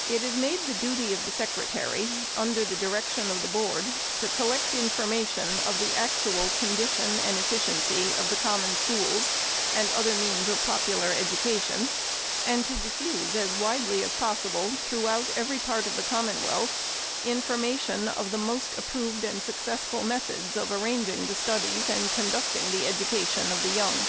It is made the duty of the Secretary, " under the direc tion of the Board, to collect information of the actual condition and efficiency of the common schools and other means of popular education ; and to diffuse as widely as possible, throughout every part of the Commonwealth, information of the most approved and successful methods of arranging the studies and conducting the education of the young."